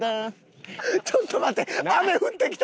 ちょっと待て。